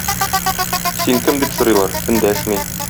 Син кем? - дип сорыйлар, эндәшми.